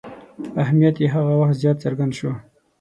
اهمیت یې هغه وخت زیات څرګند شو.